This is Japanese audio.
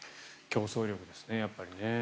競争力ですね、やっぱり。